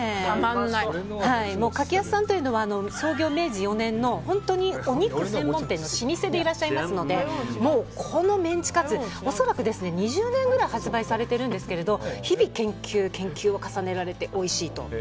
柿安さんというのは創業明治４年の本当にお肉専門店の老舗でいらっしゃいますのでこのメンチカツ恐らく２０年ぐらい発売されてるんですけど日々研究、研究を重ねられておいしいと。